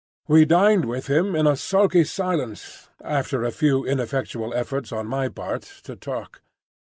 We dined with him in a sulky silence, after a few ineffectual efforts on my part to talk.